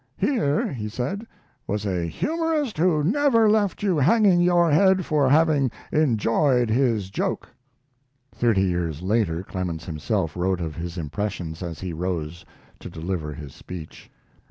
Here, he said, was "a humorist who never left you hanging you head for having enjoyed his joke." Thirty years later Clemens himself wrote of his impressions as he rose to deliver his speech.